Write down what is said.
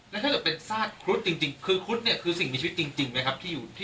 แล้วถ้าเกิดเป็นซากครุฑจริงคือครุฑเนี่ยคือสิ่งมีชีวิตจริงไหมครับที่อยู่ที่